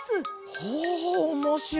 ほうおもしろい！